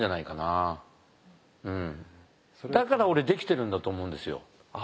だから俺できてるんだと思うんですよ。